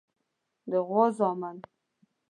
د غوا زامنو.